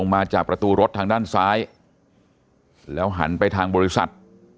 มาจากประตูรถทางด้านซ้ายแล้วหันไปทางบริษัท